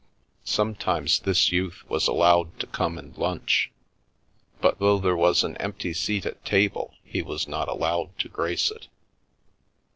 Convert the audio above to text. Sometimes this youth was allowed to come and lunch, but though there was an empty seat at table he was not allowed to grace it.